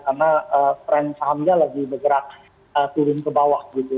karena tren sahamnya lagi bergerak turun ke bawah gitu